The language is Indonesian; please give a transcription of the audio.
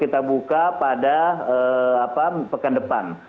kita buka pada pekan depan